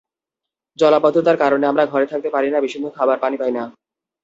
জলাবদ্ধতার কারণে আমরা ঘরে থাকতে পারি না, বিশুদ্ধ খাবার পানি পাই না।